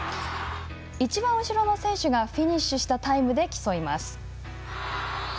一番後ろの選手がフィニッシュしたタイムで競います。